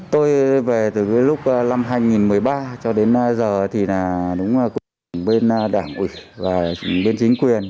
tôi về từ lúc năm hai nghìn một mươi ba cho đến giờ thì đúng là cùng với đảng ủy và cùng với chính quyền